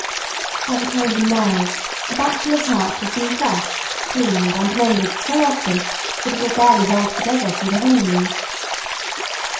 By the time he marries, a bachelor's heart has been pressed, cleaned and mended so often that it will barely hold together through the honeymoon.